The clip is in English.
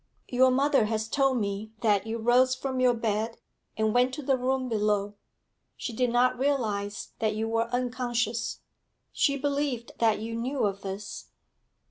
'Your mother has told me that you rose from your bed, and went to the room below. She did not realise that you were unconscious; she believed that you knew of this.'